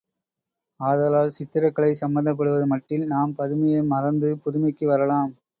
ஆதலால் சித்திரக்கலை சம்பந்தப்படுவது மட்டில் நாம் பழமையை மறந்து புதுமைக்கு வரலாம்.